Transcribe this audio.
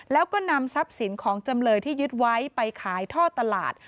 แล้วก็นำทรัพย์สินของจำเลยที่ยึดไว้ไปขายท่อตลาด